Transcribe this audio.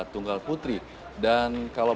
tunggal putri dan kalau